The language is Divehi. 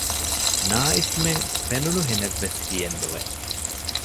ނާއިފްމެން ފެނުނުހެނެއްވެސް ހިއެއް ނުވެ